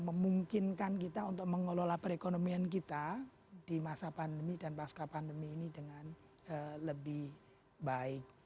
memungkinkan kita untuk mengelola perekonomian kita di masa pandemi dan pasca pandemi ini dengan lebih baik